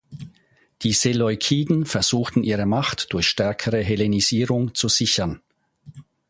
Die Seleukiden versuchten ihre Macht durch stärkere Hellenisierung zu sichern.